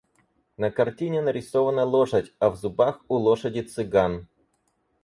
На картине нарисована лошадь, а в зубах у лошади цыган.